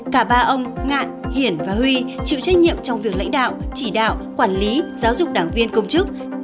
cả ba ông ngạn hiển và huy chịu trách nhiệm trong việc lãnh đạo chỉ đạo quản lý giáo dục đảng viên công chức